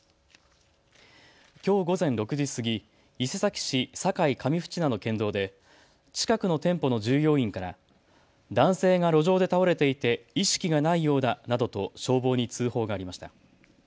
きょう午前６時過ぎ、伊勢崎市境上渕名の県道で近くの店舗の従業員から男性が路上で倒れていて意識がないようだなどと消防に通報がありました。